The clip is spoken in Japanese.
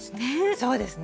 そうですね。